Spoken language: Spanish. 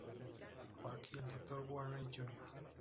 Park y el Dr. Wagner Jr.